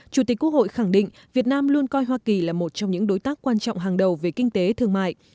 chủ tịch quốc hội khẳng định việt nam luôn coi hoa kỳ là một trong những đối tác quan trọng hàng đầu về kinh tế thương mại